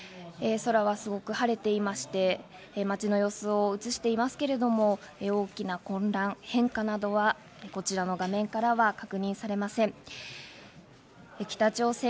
空はすごく晴れていまして、街の様子を映していますけれども、大きな混乱、変化などはこちらの画面からは確認されません。